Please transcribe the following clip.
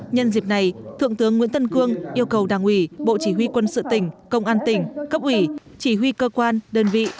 nhân dịp này thượng tướng nguyễn tân cương yêu cầu đảng ủy bộ chỉ huy quân sự tỉnh công an tỉnh cấp ủy chỉ huy cơ quan đơn vị